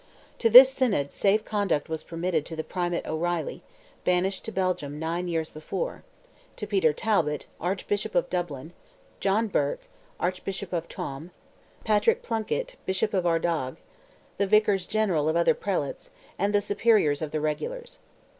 To this synod safe conduct was permitted to the Primate O'Reilly, banished to Belgium nine years before; to Peter Talbot, Archbishop of Dublin, John Burke, Archbishop of Tuam, Patrick Plunkett, Bishop of Ardagh, the vicars general of other prelates, and the superiors of the regulars.